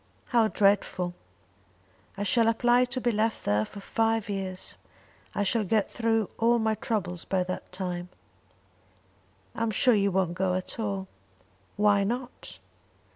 "How dreadful!" "I shall apply to be left there for five years. I shall get through all my troubles by that time." "I am sure you won't go at all." "Why not?"